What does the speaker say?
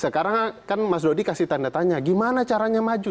karena kan mas dodi kasih tanda tanya gimana caranya maju